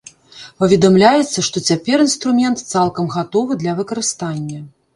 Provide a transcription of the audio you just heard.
Паведамляецца, што цяпер інструмент цалкам гатовы да выкарыстання.